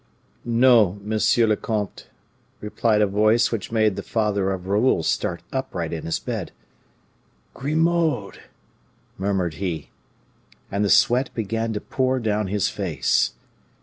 "No, monsieur le comte," replied a voice which made the father of Raoul start upright in his bed. "Grimaud!" murmured he. And the sweat began to pour down his face.